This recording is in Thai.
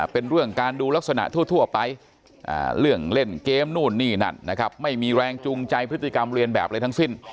เป็นเรื่องการดูลักษณะทั่วไปเรื่องเล่นเกมนู่นนี่นั่นนะครับไม่มีแรงจูงใจพฤติกรรมเรียนแบบอะไรทั้งสิ้น